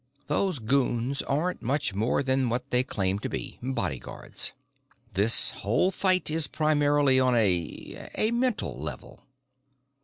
"Those goons aren't much more than what they claim to be bodyguards. This whole fight is primarily on a a mental level."